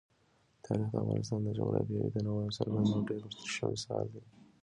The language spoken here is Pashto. تاریخ د افغانستان د جغرافیوي تنوع یو څرګند او ډېر ښه مثال دی.